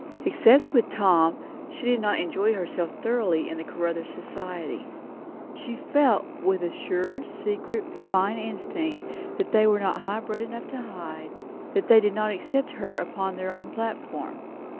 Except with Tom, he did not enjoy herself thoroughly in the Caruthers society. She felt, with a sure, secret, fine instinct, what they were not high bred enough to hide; that they did not accept her as upon their own platform.